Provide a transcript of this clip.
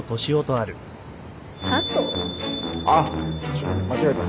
ちょっ間違えた。